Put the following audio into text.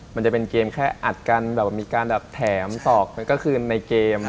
มันจะเป็นเกมแค่อัดกันแบบมีการแบบแถมศอกกลางคืนในเกม